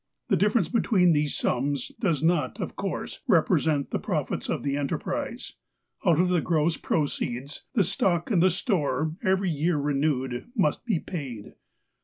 The difference between these sums does not, of course, represent the profits of the enterprise. Out of the gross proceeds, the stock in the store, every year renewed, must be paid.